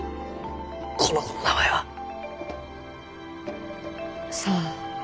この子の名前は？さあ。